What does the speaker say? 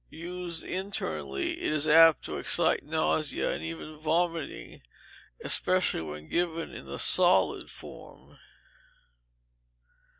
Used internally, it is apt to excite nausea, and even vomiting, especially when given in the solid form.